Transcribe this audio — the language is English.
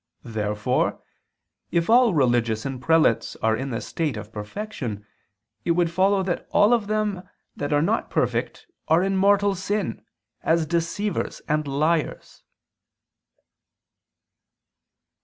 Therefore, if all religious and prelates are in the state of perfection, it would follow that all of them that are not perfect are in mortal sin, as deceivers and liars.